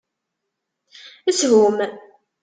Shum!